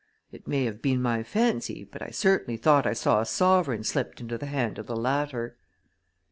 It may have been my fancy, but I certainly thought I saw a sovereign slipped into the hand of the latter.